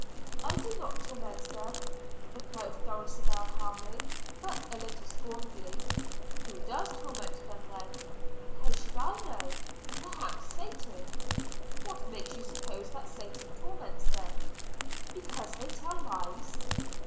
"I do not torment them," replied Dulcibel calmly, but a little scornfully. "Who does torment them, then?" "How should I know perhaps Satan." "What makes you suppose that Satan torments them?" "Because they tell lies."